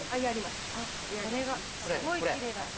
すごいきれいだった。